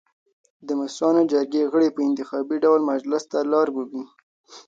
د مشرانو جرګې غړي په انتخابي ډول مجلس ته لار مومي.